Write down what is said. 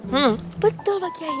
hmm betul pak giai